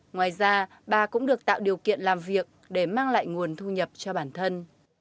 ngoài ra bà cũng được tạo điều kiện làm việc để mang lại nguồn thu nhập cho bản thân